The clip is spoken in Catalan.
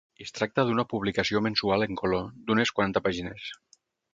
Es tracta d'una publicació mensual en color, d'unes quaranta pàgines.